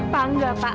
pak enggak pak